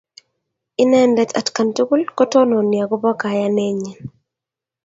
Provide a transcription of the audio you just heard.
Inendet atkan tukul kotononi akopo kayanennyin